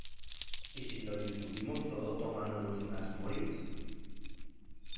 ¿Y si lo discutimos todo tomándonos unas Moritz?